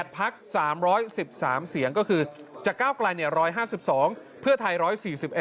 พัก๓๑๓เสียงก็คือจากก้าวไกล๑๕๒เพื่อไทย๑๔๑